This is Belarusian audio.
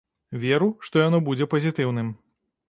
Веру, што яно будзе пазітыўным.